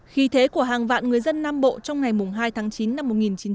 khi thế của hàng vạn người dân nam bộ trong ngày hai tháng chín năm một nghìn chín trăm bảy mươi